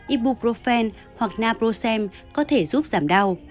ibuprofen hoặc naproxen có thể giúp giảm đau